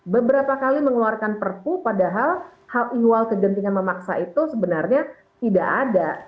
beberapa kali mengeluarkan perpu padahal hal inwal kegentingan memaksa itu sebenarnya tidak ada